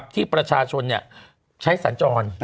ที่ประชาชนใช้สัญจร